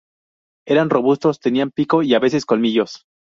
Eran robustos, tenían pico y, a veces, colmillos.